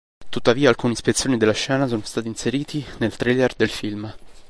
Tuttavia, alcuni spezzoni della scena sono stati inseriti nel trailer del film.